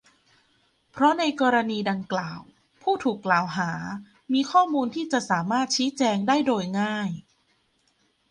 เพราะในกรณีดังกล่าวผู้ถูกกล่าวหามีข้อมูลที่จะสามารถชี้แจงได้โดยง่าย